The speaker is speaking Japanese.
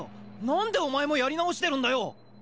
何でお前もやり直してるんだよ！